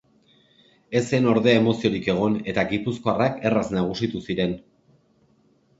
Ez zen ordea emoziorik egon eta gipuzkoarrak erraz nagusitu ziren.